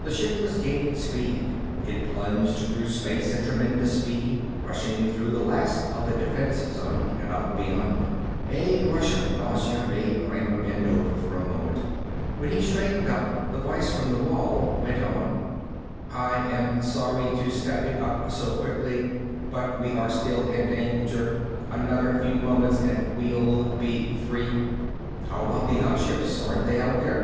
The ship was gaining speed. It plunged through space at tremendous speed, rushing through the last of the defense zone and out beyond. A rush of nausea made Kramer bend over for a moment. When he straightened up the voice from the wall went on, "I'm sorry to step it up so quickly, but we are still in danger. Another few moments and we'll be free." "How about yuk ships? Aren't they out here?"